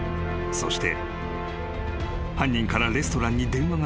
☎［そして］